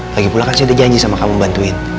lagipula kan saya udah janji sama kamu bantuin